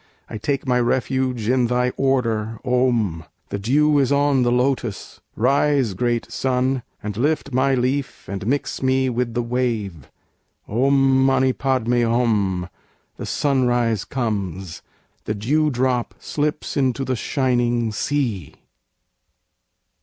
I take my refuge in Thy Order! Om! The Dew is on the lotus rise, great Sun! And lift my leaf and mix me with the wave. Om mani padme hum, the Sunrise comes! The Dewdrop slips into the Shining Sea!